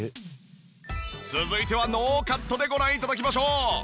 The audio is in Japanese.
続いてはノーカットでご覧頂きましょう。